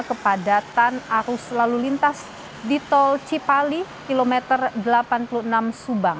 kepadatan arus lalu lintas di tol cipali kilometer delapan puluh enam subang